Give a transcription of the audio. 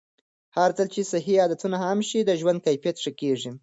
هرځل چې صحي عادتونه عام شي، د ژوند کیفیت ښه کېږي.